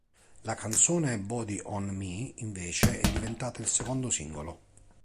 La canzone "Body on Me" invece è diventata il secondo singolo.